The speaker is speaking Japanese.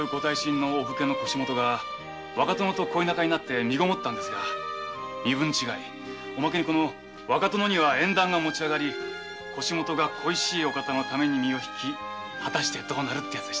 お武家の腰元が若殿と恋仲になり身籠るが身分違いおまけに若殿には縁談が持ちあがり腰元が恋しい方のために身をひきはたしてどうなるってやつで。